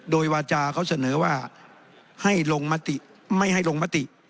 โดยวาจาเขาเสนอว่าให้ลงมติไม่ให้ลงมติ